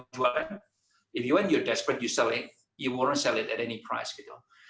jika anda berdekatan anda tidak akan menjualnya pada harga